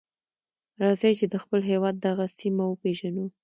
راځئ چې د خپل هېواد دغه سیمه وپیژنو.